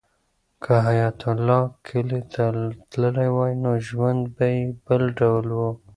که حیات الله کلي ته تللی وای نو ژوند به یې بل ډول و.